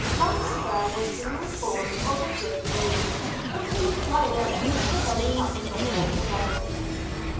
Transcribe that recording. Dulcibel was soon informed of the good news; and came flying out to meet her benefactor and her lover.